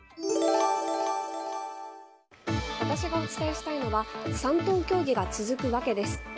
私がお伝えしたいのは３党協議が続く訳です。